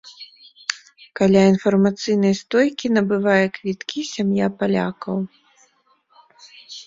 Каля інфармацыйнай стойкі набывае квіткі сям'я палякаў.